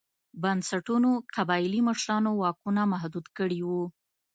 بنسټونو قبایلي مشرانو واکونه محدود کړي وو.